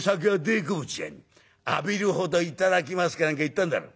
『浴びるほど頂きます』か何か言ったんだろ」。